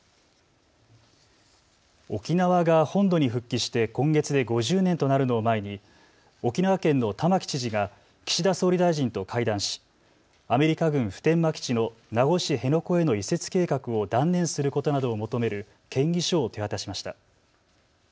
沖縄が本土に復帰して今月で５０年となるのを前に沖縄県の玉城知事が岸田総理大臣と会談しアメリカ軍普天間基地の名護市辺野古への移設計画を断念することなどを求める建議書を手渡しました。